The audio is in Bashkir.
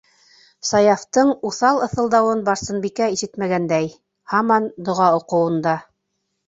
- Саяфтың уҫал ыҫылдауын Барсынбикә ишетмәгәндәй, һаман доға уҡыуында.